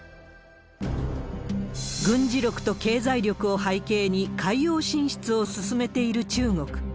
軍事力と経済力を背景に、海洋進出を進めている中国。